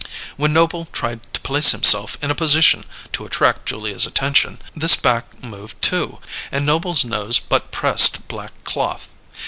When Noble tried to place himself in a position to attract Julia's attention, this back moved, too, and Noble's nose but pressed black cloth.